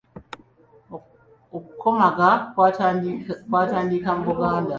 Okukomaga kwatandika mu Buganda.